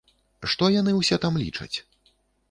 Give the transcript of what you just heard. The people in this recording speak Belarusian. Што яны ўсе там лічаць?